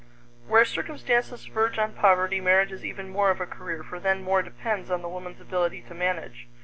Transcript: Where circumstances verge on poverty, marriage is even more of a career, for then more depends on the woman's ability to manage.